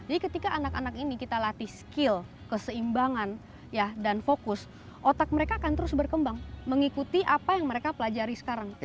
jadi ketika anak anak ini kita latih skill keseimbangan ya dan fokus otak mereka akan terus berkembang mengikuti apa yang mereka pelajari sekarang